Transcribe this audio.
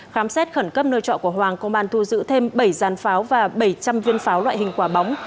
khám xét khẩn cấp nơi trọ của hoàng công an thu giữ thêm bảy giàn pháo và bảy trăm linh viên pháo loại hình quả bóng